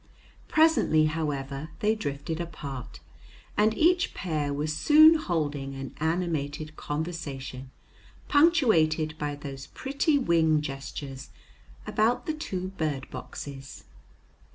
Presently, however, they drifted apart, and each pair was soon holding an animated conversation punctuated by those pretty wing gestures, about the two bird boxes.